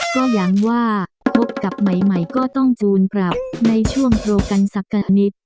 ก็หวังว่าพบกับใหม่ก็ต้องจูนปรับในช่วงโทรกันสักกันนิด